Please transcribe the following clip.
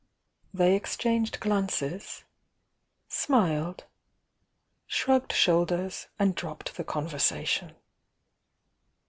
They exchanged glances— smiled— shrugged shoul ders and dropped the conversation.